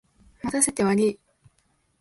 待たせてわりい。